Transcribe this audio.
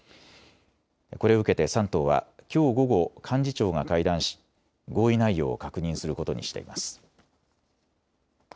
これを受けて３党はきょう午後、幹事長が会談し合意内容を確認することにしています。